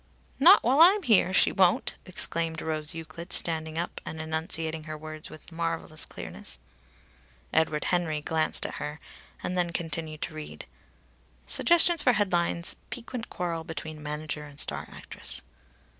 "'" "Not while I'm here, she won't!" exclaimed Rose Euclid standing up, and enunciating her words with marvellous clearness. Edward Henry glanced at her, and then continued to read: "Suggestions for headlines. 'Piquant quarrel between manager and star actress.